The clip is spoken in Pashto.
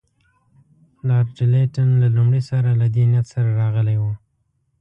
لارډ لیټن له لومړي سره له دې نیت سره راغلی وو.